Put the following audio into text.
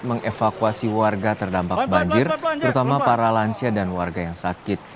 mengevakuasi warga terdampak banjir terutama para lansia dan warga yang sakit